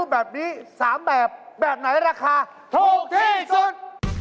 แบบนี้๓แบบแบบไหนราคาถูกที่สุด